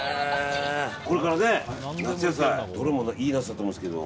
これからね、夏野菜どれもいいナスだと思うんですけど。